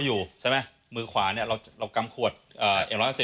ดูทุกสิ่งที่แบบทางไว้